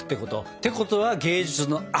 てことは芸術の秋！